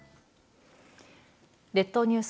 列島ニュース